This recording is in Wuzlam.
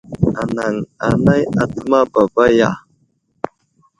Anaŋ anay atəmeŋ baba baka ya ?